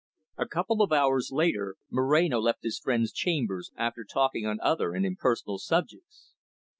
A couple of hours later, Moreno left his friend's chambers, after talking on other and impersonal subjects.